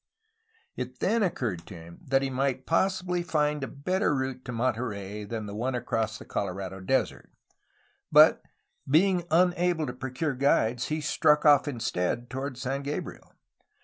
It then occurred to him that he might possibly find a better route to Lionterey than the one across the Colorado Desert, but, being unable to procure guides, he struck off instead toward San Gabriel.